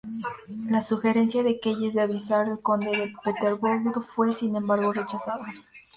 La sugerencia de Keyes de avisar al Conde de Peterborough fue, sin embargo, rechazada.